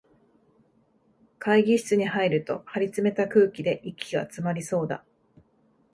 会議室に入ると、張りつめた空気で息がつまりそうだ